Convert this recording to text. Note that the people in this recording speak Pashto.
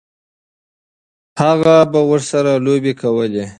هغه به ورسره لوبې کولې.